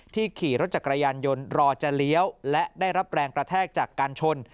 ขี่รถจักรยานยนต์รอจะเลี้ยวและได้รับแรงกระแทกจากการชน